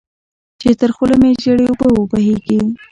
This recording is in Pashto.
چې تر خوله مې ژېړې اوبه وبهېږي.